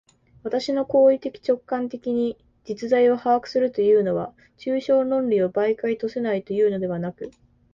私の行為的直観的に実在を把握するというのは、抽象論理を媒介とせないというのではなく、